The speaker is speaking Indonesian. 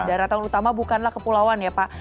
daratan utama bukanlah kepulauan ya pak